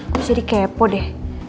gua jadi kepo deh